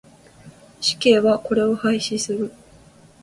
死刑はこれを廃止する。